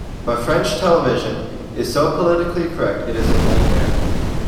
But French television is so politically correct it is a nightmare.